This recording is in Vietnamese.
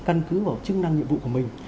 căn cứ vào chức năng nhiệm vụ của mình